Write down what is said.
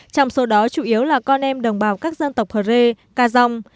trong số đó chủ yếu là con em đồng bào các dân tộc hờ rê ca dòng